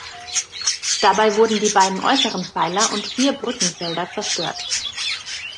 Dabei wurden die beiden äußeren Pfeiler und vier Brückenfelder zerstört.